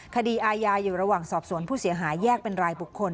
คดีอาญาอยู่ระหว่างสอบสวนผู้เสียหายแยกเป็นรายบุคคล